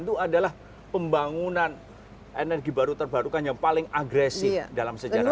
itu adalah pembangunan energi baru terbarukan yang paling agresif dalam sejarah